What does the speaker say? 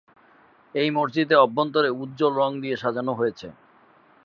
এই মসজিদটির অভ্যন্তর উজ্জ্বল রং দিয়ে সাজানো হয়েছে।